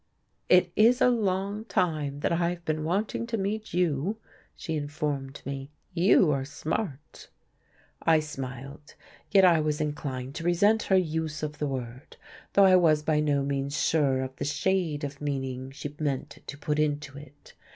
"It is a long time that I have been wanting to meet you," she informed me. "You are smart." I smiled, yet I was inclined to resent her use of the word, though I was by no means sure of the shade of meaning she meant to put into it.